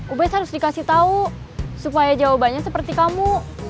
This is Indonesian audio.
ubes harus dikasih tahu supaya jawabannya seperti kamu